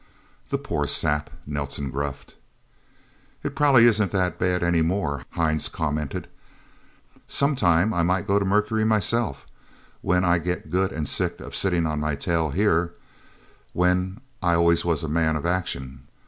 "That poor sap," Nelsen gruffed. "It probably isn't that bad, anymore," Hines commented. "Sometime I might go to Mercury, myself when I get good and sick of sitting on my tail, here when I always was a man of action!